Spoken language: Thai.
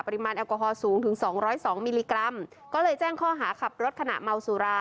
ปริมาณแอลกอฮอลสูงถึงสองร้อยสองมิลลิกรัมก็เลยแจ้งข้อหาขับรถขณะเมาสุรา